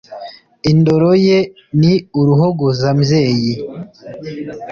Indoro ye ni uruhogozambyeyi,